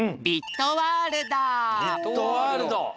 「ビットワールド」。